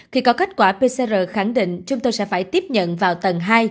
khi có kết quả pcr khẳng định chúng tôi sẽ phải tiếp nhận vào tầng hai